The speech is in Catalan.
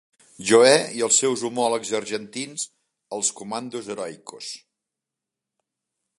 Joe i els seus homòlegs argentins, els Comandos Heroicos.